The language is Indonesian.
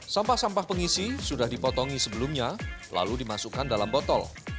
sampah sampah pengisi sudah dipotongi sebelumnya lalu dimasukkan dalam botol